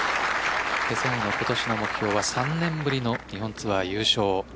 ペ・ソンウは、今年の目標は３年ぶりの日本ツアー優勝。